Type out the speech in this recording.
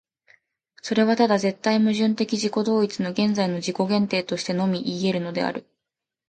それはただ絶対矛盾的自己同一の現在の自己限定としてのみいい得るのである。